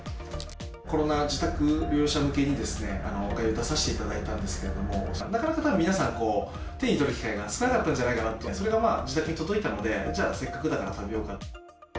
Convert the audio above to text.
コロナ自宅療養者向けに、おかゆを出させていただいたんですけど、なかなかたぶん、皆さん、手に取る機会が少なかったんじゃないかなと、それが自宅に届いたので、じゃあ、せっかくだから食べようかと。